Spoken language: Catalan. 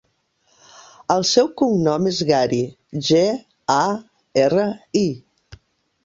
El seu cognom és Gari: ge, a, erra, i.